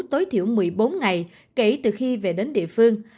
tối thiểu một mươi bốn ngày kể từ khi về đến địa phương